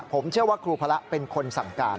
ผมเชื่อว่าครูพระเป็นคนสั่งการ